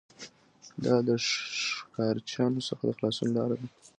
دا د ښکارچیانو څخه د خلاصون لاره ده